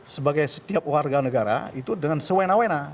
sebagai setiap warga negara itu dengan sewena wena